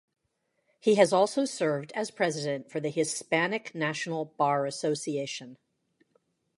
He has also served as president for the Hispanic National Bar Association.